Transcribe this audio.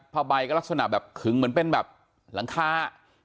ผ้าใบก็ลักษณะแบบขึงเหมือนเป็นแบบหลังคา